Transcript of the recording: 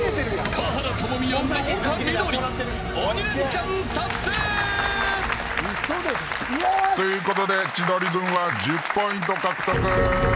華原朋美、丘みどり鬼レンチャン達成。ということで千鳥軍は１０ポイント獲得。